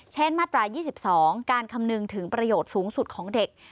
มาตรา๒๒การคำนึงถึงประโยชน์สูงสุดของเด็ก